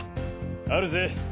あるぜ。